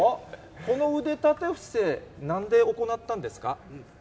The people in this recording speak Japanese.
この腕立て伏せ、なんで行ったんですか？